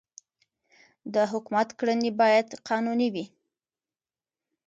د حکومت کړنې باید قانوني وي